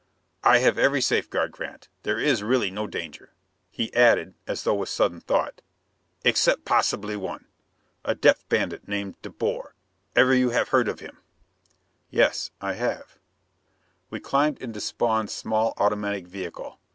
"I have every safeguard, Grant. There is really no danger." He added, as though with sudden thought. "Except possibly one a depth bandit named De Boer. Ever you have heard of him?" "Yes. I have." We climbed into Spawn's small automatic vehicle.